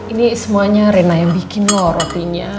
ini semuanya rena yang bikin loh rotinya